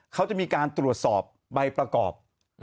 เขาจะมีการตรวจสอบใบประกอบ